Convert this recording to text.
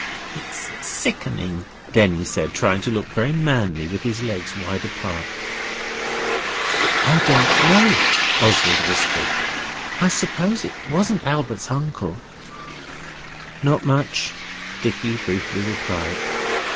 'It's sickening,' Denny said, trying to look very manly with his legs wide apart. 'I don't know,' Oswald whispered. 'I suppose it wasn't Albert's uncle?' 'Not much,' Dicky briefly replied.